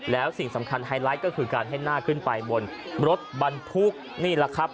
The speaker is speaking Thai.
แล้วสิ่งสำคัญไฮไลท์ก็คือการให้หน้าขึ้นไปบนรถบรรทุกนี่แหละครับ